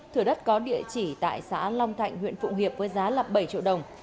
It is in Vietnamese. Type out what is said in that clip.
thửa đất có địa chỉ tại xã long thạnh huyện phụng hiệp với giá bảy triệu đồng